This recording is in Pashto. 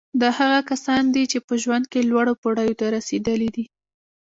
دا هغه کسان دي چې په ژوند کې لوړو پوړیو ته رسېدلي دي